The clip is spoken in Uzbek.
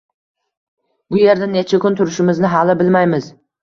Bu yerda necha kun turishimizni hali bilmaymiz.